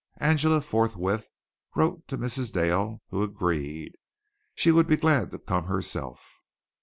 Angela forthwith wrote to Mrs. Dale, who agreed. She would be glad to come herself.